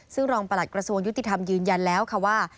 ซึ่งรองประหลัดกระทรวงยุติธรรมยืนยันแล้วค่ะว่า